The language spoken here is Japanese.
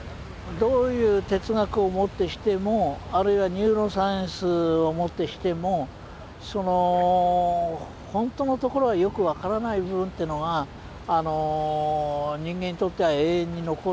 どういう哲学をもってしてもあるいはニューロサイエンスをもってしても本当のところはよく分からない部分というのが人間にとっては永遠に残る。